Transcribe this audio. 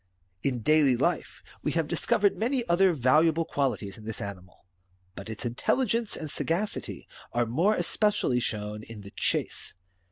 In daily life we have discovered many other valuable quali ties in this animal ; but its intelligence and sagacity are more especially shown in the chase.